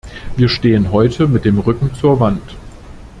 Wir stehen heute mit dem Rücken zur Wand.